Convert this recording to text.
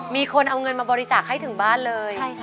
มีคนมาบริจากให้ถึงบ้านเลย